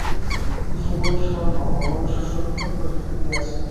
ভুবন স্বর্ণ অমলা শ্বশুরঘর করিতে গিয়াছে।